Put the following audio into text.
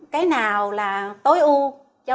cái nào là tối ưu